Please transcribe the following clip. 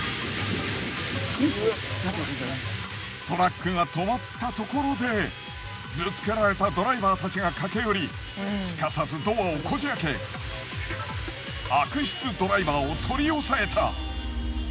トラックが止まったところでぶつけられたドライバーたちが駆け寄りすかさずドアをこじ開け悪質ドライバーを取り押さえた。